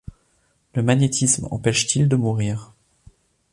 Le magnétisme empêche-t-il de mourir ?